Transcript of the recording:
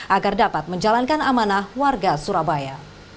agar dapat menjalankan amanah warga surabaya